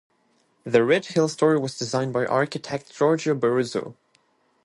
The Ridge Hill store was designed by architect Giorgio Borruso.